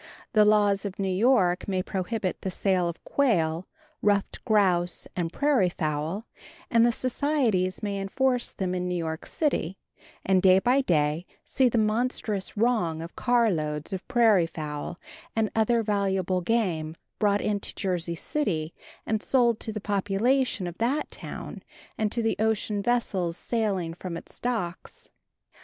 The laws of New York may prohibit the sale of quail, ruffed grouse and prairie fowl, and the societies may enforce them in New York city, and day by day see the monstrous wrong of carloads of prairie fowl and other valuable game brought into Jersey City, and sold to the population of that town and to the ocean vessels sailing from its docks.